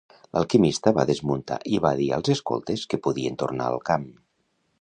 L'alquimista va desmuntar i va dir als escoltes que podien tornar al camp.